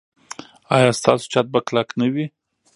ایا ستاسو چت به کلک نه وي؟